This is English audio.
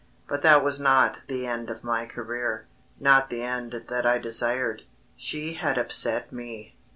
But that was not the end of my career not the end that I desired. She had upset me.